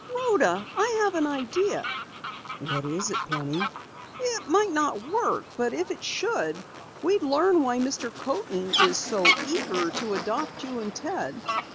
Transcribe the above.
"Rhoda, I have an idea!" "What is it, Penny?" "It might not work, but if it should, we'd learn why Mr. Coaten is so eager to adopt you and Ted."